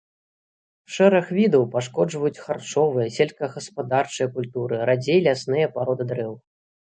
Шэраг відаў пашкоджваюць харчовыя, сельскагаспадарчыя культуры, радзей лясныя пароды дрэў.